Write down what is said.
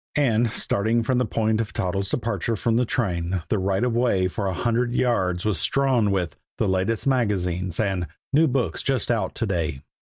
And, starting from the point of Toddles' departure from the train, the right of way for a hundred yards was strewn with "the latest magazines" and "new books just out to day."